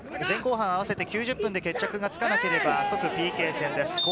前後半は合わせて９０分で決着がつかなければ即ＰＫ戦です。